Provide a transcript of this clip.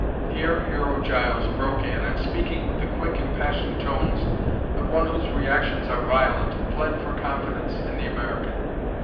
Here Hero Giles broke in and, speaking with the quick, impassioned tones of one whose reactions are violent, pled for confidence in the American.